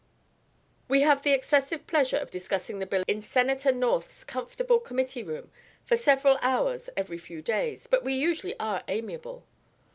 "We have the excessive pleasure of discussing the bill in Senator North's comfortable Committee room for several hours every few days, and we usually are amiable.